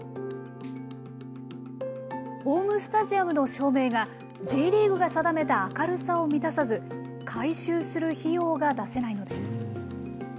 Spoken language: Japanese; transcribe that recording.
ホームスタジアムの照明が、Ｊリーグが定めた明るさを満たさず、改修する費用が出せないのです。